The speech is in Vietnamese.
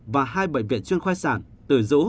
và hai bệnh viện chuyên khoai sản từ rũ